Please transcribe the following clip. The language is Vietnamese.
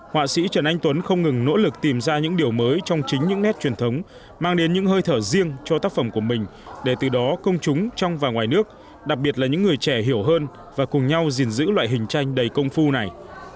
họa sĩ trần anh tuấn không ngừng nỗ lực tìm ra những điều mới trong chính những nét truyền thống mang đến những hơi thở riêng cho tác phẩm của mình để từ đó công chúng trong và ngoài nước đặc biệt là những người trẻ hiểu hơn và cùng nhau gìn giữ loại hình tranh đầy công phu này